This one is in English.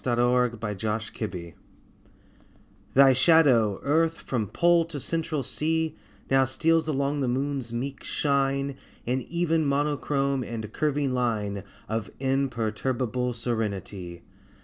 AT A LUNAR ECLIPSE THY shadow, Earth, from Pole to Central Sea, Now steals along upon the Moon's meek shine In even monochrome and curving line Of imperturbable serenity.